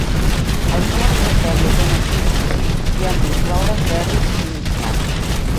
Els números de sèrie tenen sis dígits i han d'incloure zeros inicials.